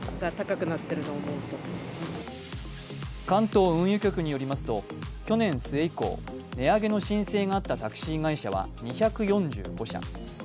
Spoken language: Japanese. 関東運輸局によりますと去年末以降値上げの申請があったタクシー会社は２４５社。